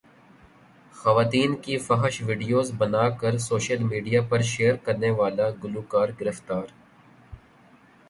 خواتین کی فحش ویڈیوز بناکر سوشل میڈیا پرشیئر کرنے والا گلوکار گرفتار